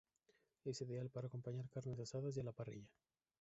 Es ideal para acompañar carnes asadas y a la parrilla.